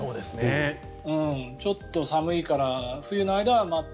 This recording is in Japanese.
ちょっと寒いから冬の間はマット。